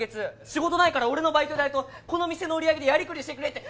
仕事ないから俺のバイト代とこの店の売り上げでやりくりしてくれって。